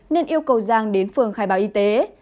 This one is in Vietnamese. nên yêu cầu giang đến phường khai báo y tế